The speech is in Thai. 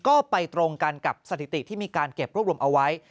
ก็ไปตรงกันกับสถิติที่มีการเก็บรวบรวมเอาไว้